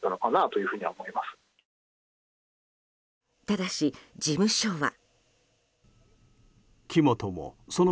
ただし事務所は。